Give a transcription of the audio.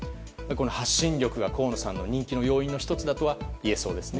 発信力が河野さんの人気の要因の１つだとはいえそうですね。